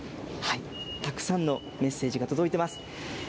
たくさんのメッセージが届いてます。